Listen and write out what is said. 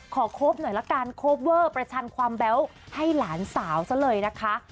โค้บหน่อยละกันโคเวอร์ประชันความแบ๊วให้หลานสาวซะเลยนะคะ